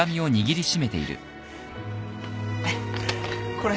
これ。